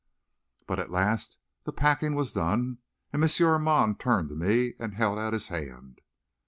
But at last the packing was done, and M. Armand turned to me and held out his hand.